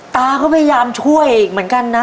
ตาก็พยายามช่วยอีกเหมือนกันนะ